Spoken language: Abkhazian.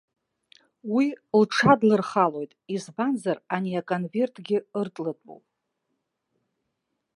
Уи лҽадлырхалоит, избанзар ани аконвертгьы ыртлатәуп.